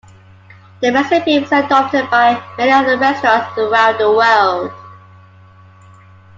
The recipe was adopted by many other restaurants throughout the world.